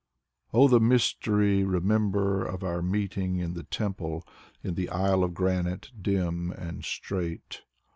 Oh, the mystery remember of our meeting in the temple, in the aisle of granite, dim and straight.